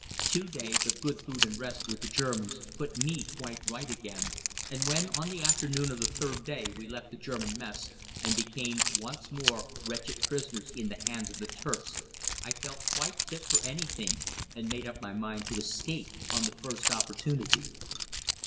Two days of good food and rest with the Germans put me quite right again, and when on the afternoon of the third day we left the German mess and became once more wretched prisoners in the hands of the Turks, I felt quite fit for anything and made up my mind to escape on the first opportunity.